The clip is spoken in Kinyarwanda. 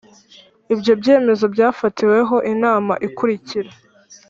ibyo byemezo byafatiweho Inama ikurikira